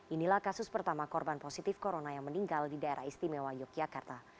inilah kasus pertama korban positif corona yang meninggal di daerah istimewa yogyakarta